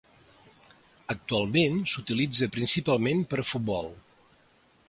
Actualment s'utilitza principalment per a futbol.